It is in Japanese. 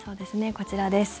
こちらです。